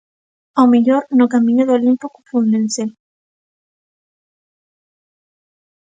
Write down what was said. Ao mellor, no camiño do Olimpo confúndense.